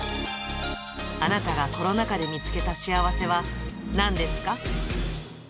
あなたがコロナ禍で見つけた幸せはなんですか？